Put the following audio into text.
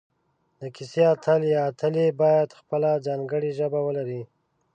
د کیسې اتل یا اتلې باید خپله ځانګړي ژبه ولري